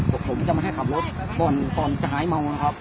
ก็ผมจะมาให้ขับรถตอนตอนจะหายเมานะครับ